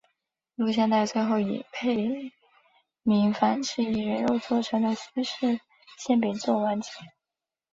录像带最后以佩芮反吃以人肉做成的西式馅饼作完结。